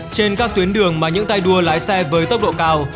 trên các tuyến đường mà những tay đua lái xe với tốc độ cao